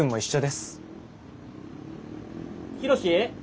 ヒロシ？